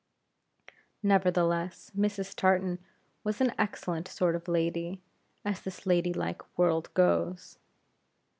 Nevertheless, Mrs. Tartan was an excellent sort of lady, as this lady like world goes.